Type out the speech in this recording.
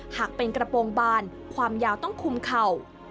หากเป็นกระโปรงบานความยาวต้องคุมเข่า